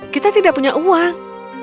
kita tidak punya uang